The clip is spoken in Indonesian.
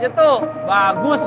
berarti udah gak gugup dong